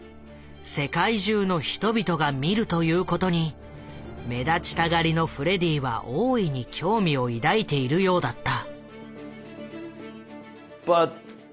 世界中の人々が見るということに目立ちたがりのフレディは大いに興味を抱いているようだった。